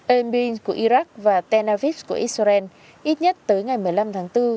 erbin của iraq và tenavis của israel ít nhất tới ngày một mươi năm tháng bốn